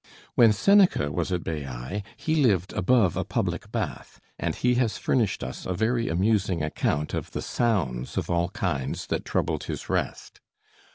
When Seneca was at Baiæ, he lived above a public bath, and he has furnished us a very amusing account of the sounds of all kinds that troubled his rest.